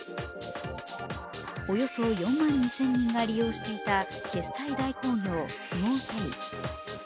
およそ４万２０００人が利用していた決済代行業、スモウペイ。